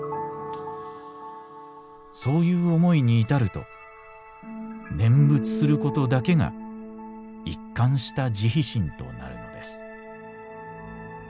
「そういう思いに至ると念仏することだけが一貫した慈悲心となるのです」。